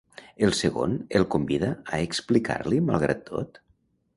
El segon el convida a explicar-li malgrat tot?